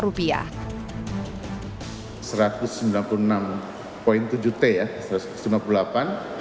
rp satu ratus sembilan puluh enam tujuh triliun ya rp satu ratus lima puluh delapan juta